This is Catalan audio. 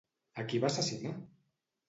A qui va assassinar?